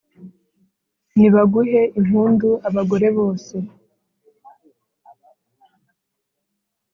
nibaguhe impundu abagore bose,